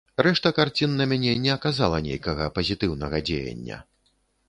Рэшта карцін на мяне не аказала нейкага пазітыўнага дзеяння.